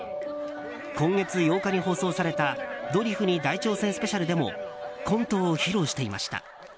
今月８日に放送された「ドリフに大挑戦スペシャル」でもコントを披露していました。